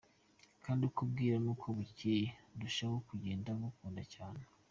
Kandi uko bwira n’uko bukeye ndushaho kugenda ngukunda cyane.